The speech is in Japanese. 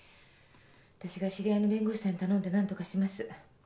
わたしが知り合いの弁護士さんに頼んで何とかします。